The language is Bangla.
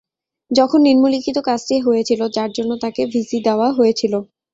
যখন নিম্নলিখিত কাজটি হয়েছিল যার জন্য তাঁকে ভিসি দেওয়া হয়েছিল।